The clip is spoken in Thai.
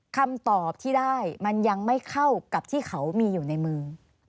คำตอบที่ได้มันยังไม่เข้ากับที่เขามีอยู่ในมือ